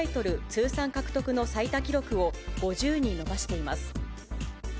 通算獲得の最多記録を５０に伸ばしています。